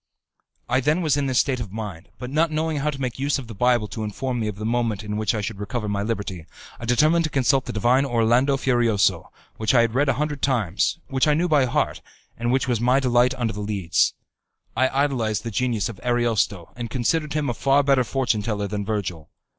I then was in this state of mind; but not knowing how to make use of the Bible to inform me of the moment in which I should recover my liberty, I determined to consult the divine Orlando Furioso, which I had read a hundred times, which I knew by heart, and which was my delight under the Leads. I idolized the genius of Ariosto, and considered him a far better fortune teller than Virgil.